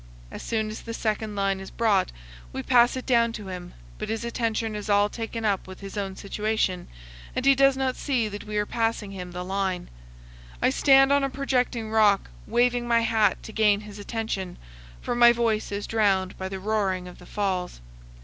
As soon as the second line is brought, we pass it down to him; but his attention is all taken up with his own situation, and he does not see that we are passing him the line. I stand on a projecting rock, waving my hat to gain his attention, for my voice is drowned by the roaring of the falls.